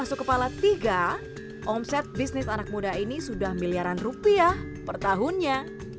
omset bisnis anak muda ini sudah miliaran rupiah per tahunnya